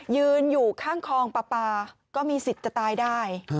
ยืนอยู่ข้างคลองปลาปลาก็มีสิทธิ์จะตายได้